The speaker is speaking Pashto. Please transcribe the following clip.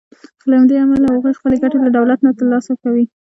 له همدې امله هغوی خپلې ګټې له دولت نه تر لاسه کوي.